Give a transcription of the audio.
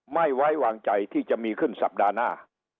ไม่ไว้วางใจที่จะมีขึ้นสัปดาห์หน้า